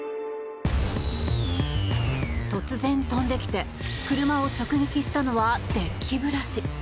突然飛んできて車を直撃したのはデッキブラシ。